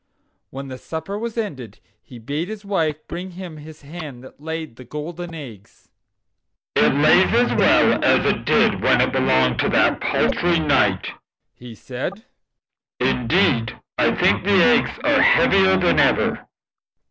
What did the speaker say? When the supper was ended he bade his wife bring him his hen that laid the golden eggs. "It lays as well as it did when it belonged to that paltry knight," he said; "indeed, I think the eggs are heavier than ever."